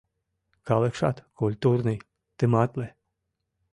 Калыкшат культурный, тыматле.